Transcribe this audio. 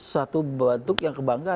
suatu bentuk yang kebangga